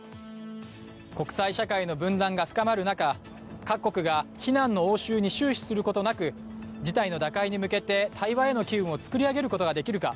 国際社会の分断が深まる中、各国が非難の応酬に終始することなく事態の打開に向けて対話への機運を作り上げることができるか